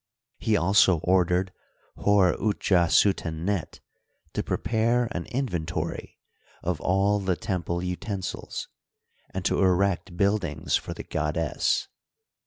He also ordered Hor utja suten net to prepare an inventory of all the temple utensils, and to erect buildings for the goddess.